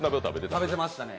食べてましたね。